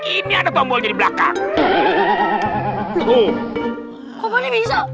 ini ada tombolnya di belakang